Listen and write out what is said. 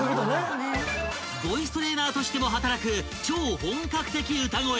［ボイストレーナーとしても働く超本格的歌声］